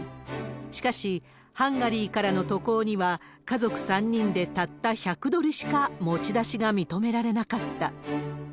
しかし、ハンガリーからの渡航には、家族３人でたった１００ドルしか持ち出しが認められなかった。